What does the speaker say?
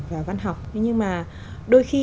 và văn học nhưng mà đôi khi